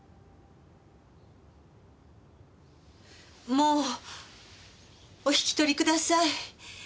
もうお引き取りください。